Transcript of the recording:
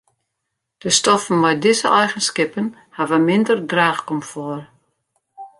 De stoffen mei dizze eigenskippen hawwe minder draachkomfort.